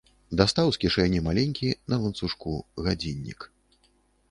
Дастаў з кішэні маленькі, на ланцужку, гадзіннік.